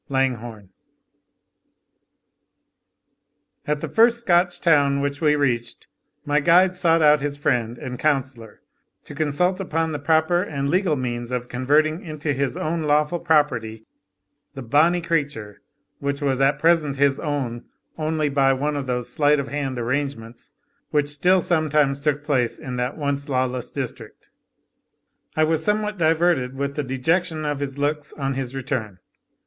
Langhorne. At the first Scotch town which we reached, my guide sought out his friend and counsellor, to consult upon the proper and legal means of converting into his own lawful property the "bonny creature," which was at present his own only by one of those sleight of hand arrangements which still sometimes took place in that once lawless district. I was somewhat diverted with the dejection of his looks on his return.